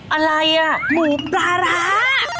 อะไรอ่ะหมูปลาร้า